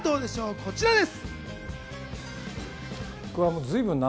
こちらです！